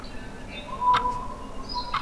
কিন্তু তাকে পেল না।